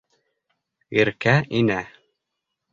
Иркә инә.